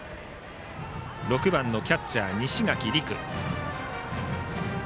６番のキャッチャー西垣琉空。